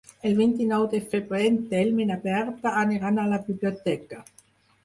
El vint-i-nou de febrer en Telm i na Berta aniran a la biblioteca.